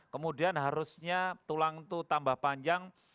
kemudian harusnya tulang itu tambah panjang